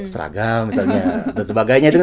seragam misalnya dan sebagainya